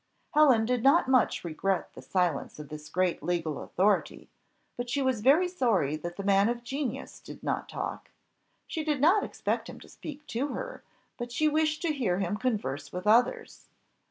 Helen did not much regret the silence of this great legal authority, but she was very sorry that the man of genius did not talk; she did not expect him to speak to her, but she wished to hear him converse with others.